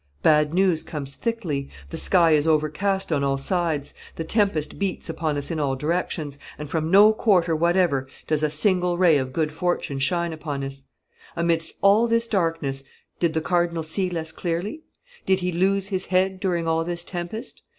Bad news comes thickly, the sky is overcast on all sides, the tempest beats upon us in all directions, and from no quarter whatever does a single ray of good fortune shine upon us. Amidst all this darkness, did the cardinal see less clearly? Did he lose his head during all this tempest?